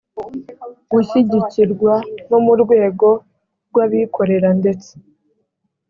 gushyigikirwa no mu rwego rw abikorera ndetse